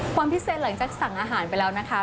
ความพิเศษหลังจากสั่งอาหารไปแล้วนะคะ